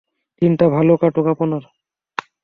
দিনটা ভালো কাটুক আপনার!